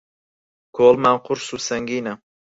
کۆڵمان قورس و سەنگینە